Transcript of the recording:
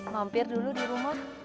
ngampir dulu di rumah